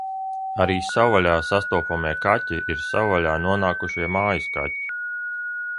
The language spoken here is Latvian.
Arī savvaļā sastopamie kaķi ir savvaļā nonākušie mājas kaķi.